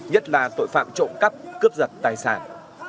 nhất là tội phạm trộm cắp cướp giật tài sản